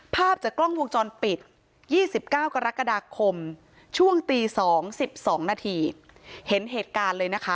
ภาพจากกล้องวงจรปิด๒๙กรกฎาคมช่วงตี๒๑๒นาทีเห็นเหตุการณ์เลยนะคะ